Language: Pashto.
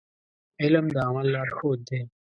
علم د عمل لارښود دی.